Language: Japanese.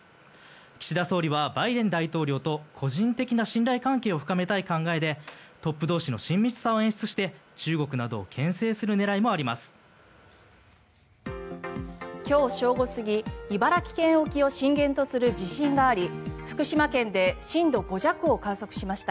岸田総理はバイデン大統領と個人的な信頼関係を深めたい考えでトップ同士の親密さを演出して中国などをけん制する狙いもあります。